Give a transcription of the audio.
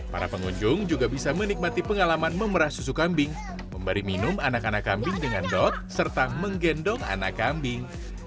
para pengunjung juga bisa menikmati pengalaman memerah susu kambing memberi minum anak anak kambing dengan dot serta menggendong anak kambing